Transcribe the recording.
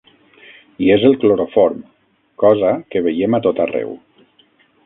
I és el cloroform, cosa que veiem a tot arreu.